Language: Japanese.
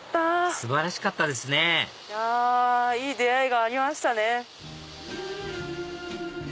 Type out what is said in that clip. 素晴らしかったですねいい出会いがありましたね。